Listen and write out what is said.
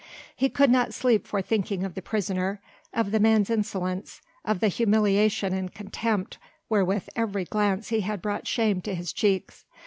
He could not sleep for thinking of the prisoner, of the man's insolence, of the humiliation and contempt wherewith every glance he had brought shame to his cheeks.